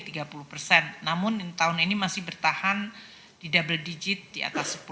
namun tahun ini masih bertahan di double digit di atas sepuluh